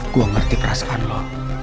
gue ngerti perasaan lo